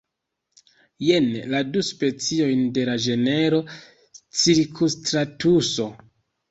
Jen la du speciojn de la genro cirusstratuso.